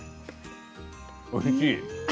おいしい。